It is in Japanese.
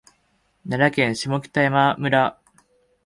奈良県下北山村